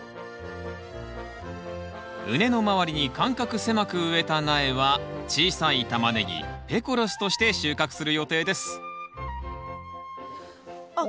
畝の周りに間隔狭く植えた苗は小さいタマネギペコロスとして収穫する予定ですあっ